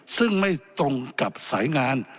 ซึ่งไม่ตรงกับสายงาน